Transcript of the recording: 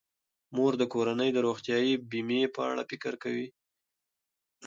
مور د کورنۍ د روغتیايي بیمې په اړه فکر کوي.